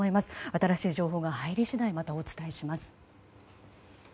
新しい情報が入り次第お伝えします。